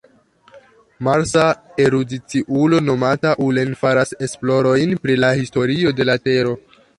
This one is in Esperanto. Marsa erudiciulo nomata Ullen faras esplorojn pri la historio de la Tero.